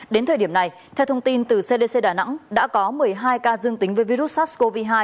đến thời điểm này theo thông tin từ cdc đà nẵng đã có một mươi hai ca dương tính với virus sars cov hai